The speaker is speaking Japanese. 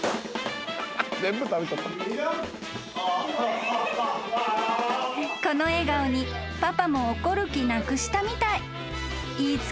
［この笑顔にパパも怒る気なくしたみたい］